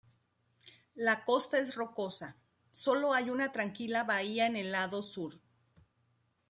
La costa es rocosa, sólo hay una tranquila bahía en el lado sur.